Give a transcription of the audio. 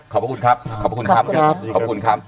ขอบคุณครับขอบคุณครับ